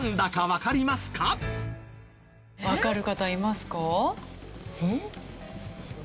わかる方いますか？